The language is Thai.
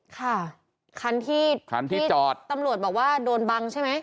ค่ะคันที่คันที่จอดตำรวจบอกว่าโดนบังใช่ไหม